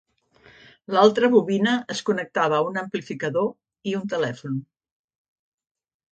L'altra bobina es connectava a un amplificador i un telèfon.